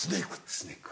スネーク？